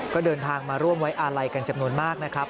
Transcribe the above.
ก็เดินทางมาร่วมไว้อาลัยกันจำนวนมากนะครับ